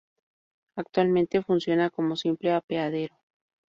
Actualmente funciona como un simple apeadero.